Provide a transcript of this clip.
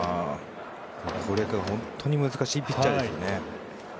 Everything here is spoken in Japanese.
攻略が本当に難しいピッチャーですよね。